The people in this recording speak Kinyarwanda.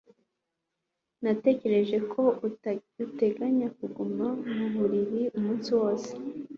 Natekereje ko uteganya kuguma mu buriri umunsi wose